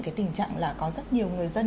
cái tình trạng là có rất nhiều người dân